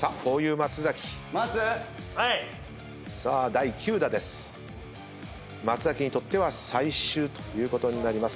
松崎にとっては最終ということになります。